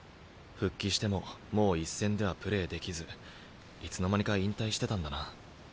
復帰してももう一線ではプレーできずいつの間にか引退してたんだな。